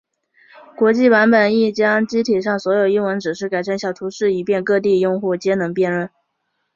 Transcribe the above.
国际版本亦将机体上所有英文指示改成小图示以便各地用户皆能辨认。